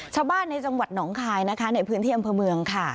ชาวบ้านในจังหวัดหนองคายนะคะในพื้นที่อำเภอเมืองค่ะ